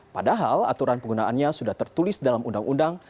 padahal aturan penggunaannya sudah tertulis dalam undang undang